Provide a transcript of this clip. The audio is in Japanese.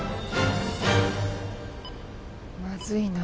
まずいな。